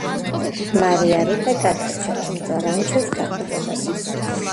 მარია რიტა გადარჩა, თუმცა რანჩოს გაყიდვა გადაწყვიტა.